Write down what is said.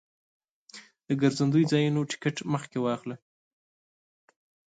د ګرځندوی ځایونو ټکټ مخکې واخله.